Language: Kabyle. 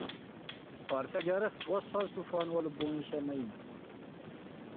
Ɣer taggara, tettwasaẓ tuffɣa n walbum-ik amaynut.